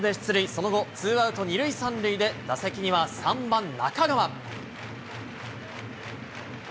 その後、ツーアウト２塁３塁で、打席には３番中川。